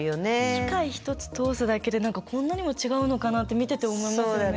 機械１つ通すだけでこんなにも違うのかなって見てて思いますよね。